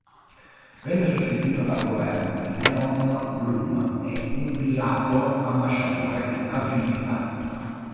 Venne sostituito dal governo di Léon Blum e inviato ambasciatore in Argentina.